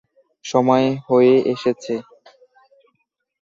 সময় হয়ে এসেছে!